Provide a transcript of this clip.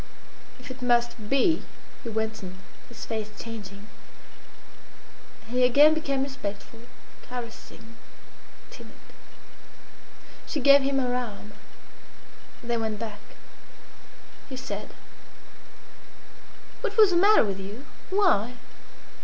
"If it must be," he went on, his face changing; and he again became respectful, caressing, timid. She gave him her arm. They went back. He said "What was the matter with you? Why?